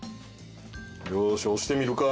よし押してみるか。